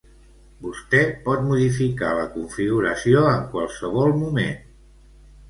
Vostè pot modificar la configuració en qualsevol moment.